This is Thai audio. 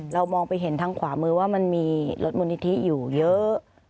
เรามองไปเห็นทางขวามือว่ามันมีรถมูลนิธิอยู่เยอะ